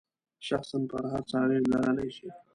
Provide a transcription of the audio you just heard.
شخصاً پر هر څه اغیز لرلای شي.